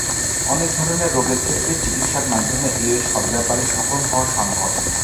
অনেক ধরনের রোগের ক্ষেত্রেই চিকিৎসার মাধ্যমে এ ব্যাপারে সফল হওয়া সম্ভব।